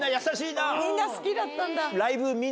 みんな好きだったんだ。